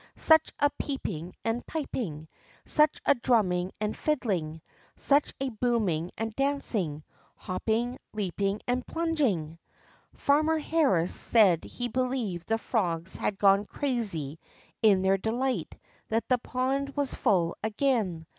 Such a peeping and a piping, such a drumming and a Addling, such a booming and a dancing, hop ping, leaping, and plunging! Farmer Harris said he believed the frogs had gone crazy in their delight that the pond was full again.